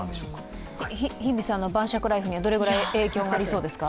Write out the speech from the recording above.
日比さんの晩酌ライフにはどのくらい影響がありますか？